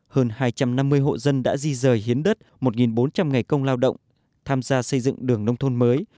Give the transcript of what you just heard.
hơn hai trăm năm mươi hộ dân đã di rời hiến đất một bốn trăm linh ngày công lao động tham gia xây dựng đường nông thôn mới